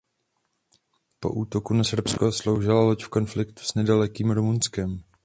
Po útoku na Srbsko sloužila loď v konfliktu s nedalekým Rumunskem.